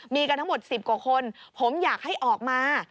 มีกันทั้งหมด๑๐กว่าคนผมอยากให้ออกมา